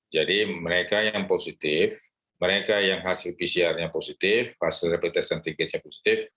jadi mereka yang positif mereka yang hasil pcr nya positif hasil repetition ticket nya positif